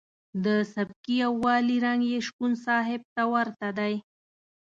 د سبکي یوالي رنګ یې شپون صاحب ته ورته دی.